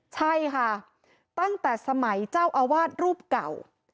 ใช่ค่ะตั้งแต่สมัยเจ้าอาวาสรูปเก่า